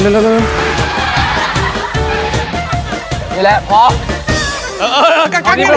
คุณถอยเข้าซองเลยมันออกอย่างยาก